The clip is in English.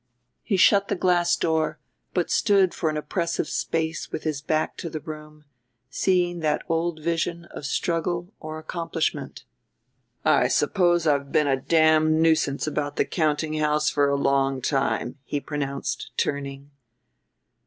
He shut the glass door, but stood for an oppressive space with his back to the room, seeing that old vision of struggle or accomplishment. "I suppose I've been a damned nuisance about the countinghouse for a long time," he pronounced, turning.